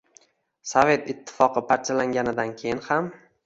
Sovet ittifoqi parchalanganidan keyin ham